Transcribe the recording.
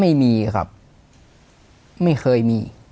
ไม่มีครับไม่เคยมี